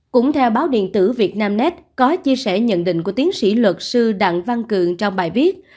cũng theo báo điện tử việt nam net có chia sẻ nhận định của tiến sĩ luật sư đặng văn cường trong bài viết